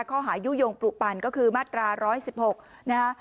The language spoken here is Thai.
ยุโยงปลูกปั่นก็คือมาตรา๑๑๖นะฮะ